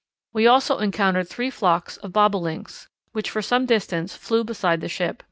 We also encountered three flocks of Bobolinks, which for some distance flew beside the ship.